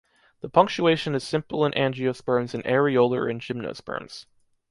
The punctuation is simple in angiosperms and areolar in gymnosperms.